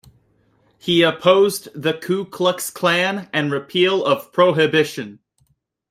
He opposed the Ku Klux Klan and repeal of Prohibition.